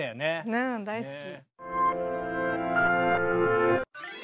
うん大好き。